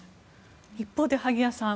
一方で萩谷さん